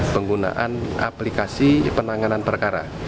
penggunaan aplikasi penanganan perkara